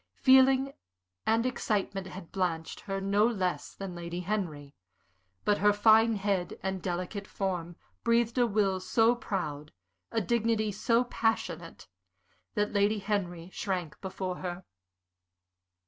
Feeling and excitement had blanched her no less than Lady Henry, but her fine head and delicate form breathed a will so proud, a dignity so passionate, that Lady Henry shrank before her.